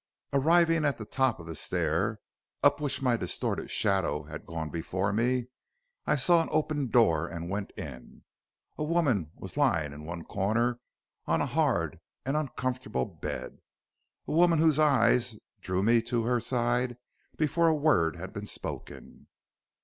"Arriving at the top of the stair, up which my distorted shadow had gone before me, I saw an open door and went in. A woman was lying in one corner on a hard and uncomfortable bed, a woman whose eyes drew me to her side before a word had been spoken.